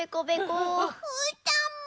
うーたんも。